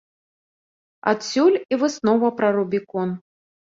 Адсюль і выснова пра рубікон.